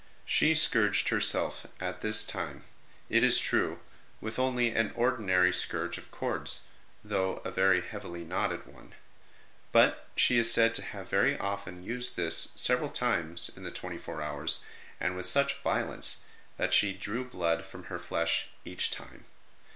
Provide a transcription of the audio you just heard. She scourged herself at this time, it is true, with only an ordinary scourge of cords (though a very heavily knotted one) ; but she is said to have very often used this several times in the twenty four hours, and with such violence that she drew blood from her flesh each time.